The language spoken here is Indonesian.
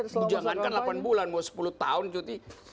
jangan kan delapan bulan mau sepuluh tahun cuti